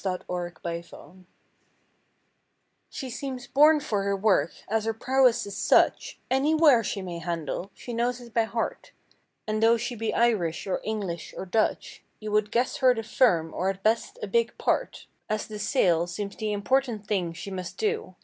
188 THE SALESLADY She seems born for her work, as her prowess is such Any ware she may handle, she knows it by heart; And though she be Irish or English or Dutch You would guess her the firm, or at best, a big part, As the sale seems the important thing she must do.